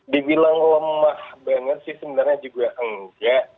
dibilang lemah banget sih sebenarnya juga enggak